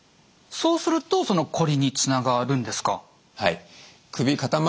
そうするとこりにつながるんですか？